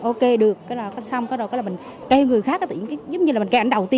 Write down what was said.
ok được cái là xong cái là mình kêu người khác giúp như là mình kêu anh đầu tiên